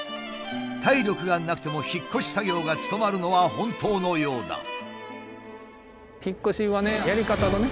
体力がなくても引っ越し作業が務まるのは本当のようだ。